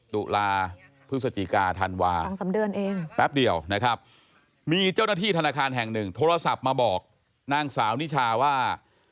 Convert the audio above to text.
ตุลาพฤศจิกาธันวา๒๓เดือนเองแป๊บเดียวนะครับมีเจ้าหน้าที่ธนาคารแห่งหนึ่งโทรศัพท์มาบอกนางสาวนิชาว่า